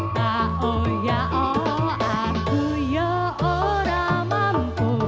tak uya oh aku ya orang bangku